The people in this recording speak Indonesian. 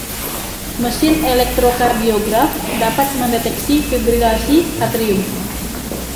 Mesin elektrokardiograf dapat mendeteksi fibrilasi atrium.